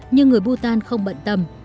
nhưng người bhutan không bận tâm